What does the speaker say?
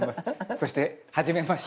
そして初めまして。